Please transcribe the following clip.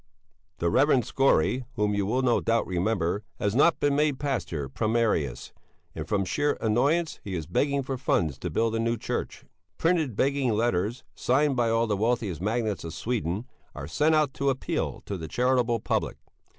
The Rev. Skore, whom you will no doubt remember, has not been made pastor primarius, and from sheer annoyance he is begging for funds to build a new church. Printed begging letters, signed by all the wealthiest magnates of Sweden, are sent out to appeal to the charitable public.